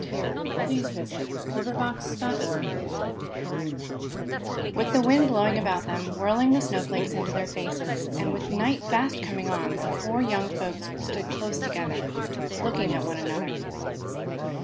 CHAPTER XVII HENRY BURDOCK With the wind blowing about them, whirling the snowflakes into their faces, and with night fast coming on, the four young folks stood close together, looking at one another.